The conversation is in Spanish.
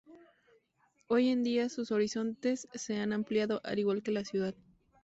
Hoy en día, sus horizontes se han ampliado, al igual que la ciudad.